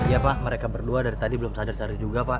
ya pak mereka berdua dari tadi belum sadar sadar juga pak